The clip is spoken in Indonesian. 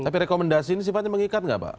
tapi rekomendasi ini sifatnya mengikat nggak pak